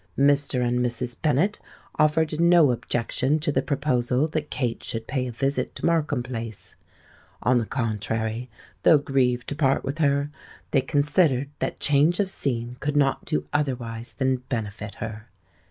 Mr. and Mrs. Bennet offered no objection to the proposal that Kate should pay a visit to Markham Place: on the contrary, though grieved to part with her, they considered that change of scene could not do otherwise than benefit her.